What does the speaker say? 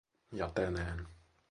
Ja tänään.